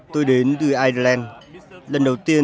tôi đến từ ireland lần đầu tiên